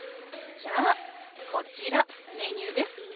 じゃあこちらメニューです。